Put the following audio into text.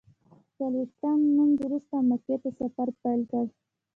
څلویښتم لمونځ وروسته مکې ته سفر پیل کړ.